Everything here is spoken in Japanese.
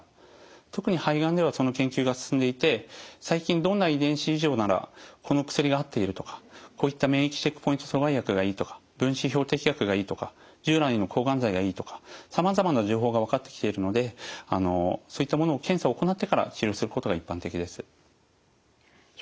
特に肺がんではその研究が進んでいて最近どんな遺伝子異常ならこの薬が合っているとかこういった免疫チェックポイント阻害薬がいいとか分子標的薬がいいとか従来の抗がん剤がいいとかさまざまな情報が分かってきているのでそういったものを検査を行ってから治療することが一般的です。